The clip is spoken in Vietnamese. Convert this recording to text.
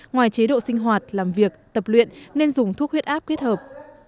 ngoài chế độ sinh hoạt làm việc tập luyện nên dùng thuốc huyết áp kết hợp